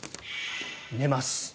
寝ます。